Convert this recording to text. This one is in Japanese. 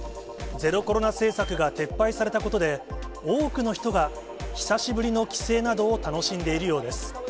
ゼロコロナ政策が撤廃されたことで、多くの人が久しぶりの帰省などを楽しんでいるようです。